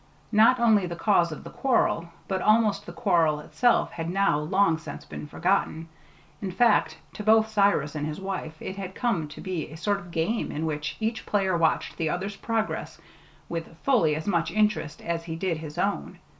Not only the cause of the quarrel, but almost the quarrel itself, had now long since been forgotten; in fact, to both Cyrus and his wife it had come to be a sort of game in which each player watched the other's progress with fully as much interest as he did his own.